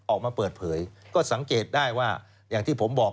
ออกมาเปิดเผยก็สังเกตได้ว่าอย่างที่ผมบอก